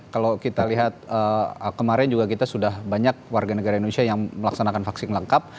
kalau kita lihat kemarin juga kita sudah banyak warga negara indonesia yang melaksanakan vaksin lengkap